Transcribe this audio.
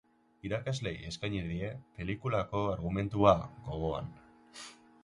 Irakasleei eskaini die, pelikulako argumentua gogoan.